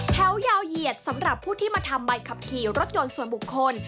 แถวยาวเหยียดสำหรับผู้ที่มาทำใบขับขี่รถยนต์ส่วนบุคคล